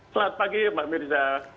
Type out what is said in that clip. selamat pagi mbak mirza